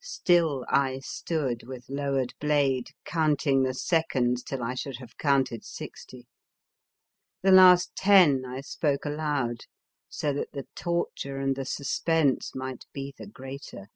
Still I stood with lowered blade, counting the seconds till I should have counted sixty. The last ten I spoke aloud, so that the tor ture and the suspense might be the greater.